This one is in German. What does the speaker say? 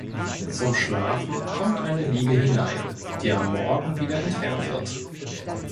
Zum Schlafen kommt eine Liege hinein, die am Morgen wieder entfernt wird.